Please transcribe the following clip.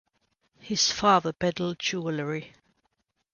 His father peddled jewellery.